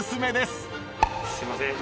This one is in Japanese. すいません